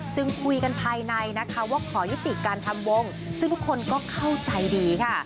จึงคุยกันภายในนะคะว่าขอยุติการทำวงซึ่งทุกคนก็เข้าใจดีค่ะ